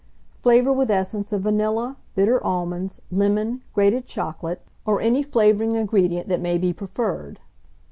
Flavour with essence of vanilla, bitter almonds, lemon, grated chocolate, or any flavouring ingredient that may be preferred.